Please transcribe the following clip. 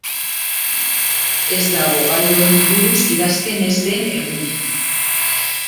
Ez dago gai honi buruz idazten ez den egunik.